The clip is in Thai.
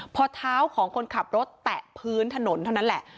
พอเท้าของคนขับรถแตะพื้นถนนเท่านั้นแหละ